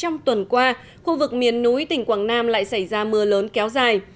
hôm qua khu vực miền núi tỉnh quảng nam lại xảy ra mưa lớn kéo dài